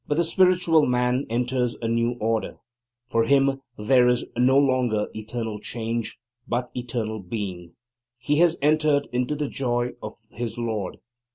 But the Spiritual Man enters a new order; for him, there is no longer eternal change, but eternal Being. He has entered into the joy of his Lord.